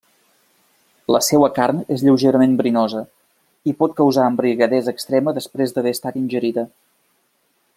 La seua carn és lleugerament verinosa i pot causar embriaguesa extrema després d'haver estat ingerida.